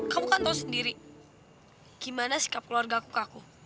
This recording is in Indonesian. kamu kan tau sendiri gimana sikap keluarga kukaku